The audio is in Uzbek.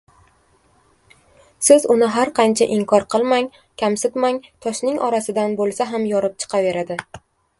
Siz uni har qancha inkor qilmang, kamsitmang, toshning orasidan bo‘lsa ham yorib chiqaveradi.